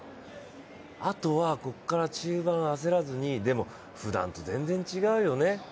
あとは、ここから中盤焦らずに、でもふだんと全然違うよね。